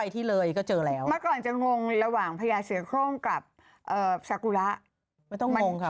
ที่เลยก็เจอแล้วเมื่อก่อนจะงงระหว่างพญาเสือโครงกับซากุระไม่ต้องงงค่ะ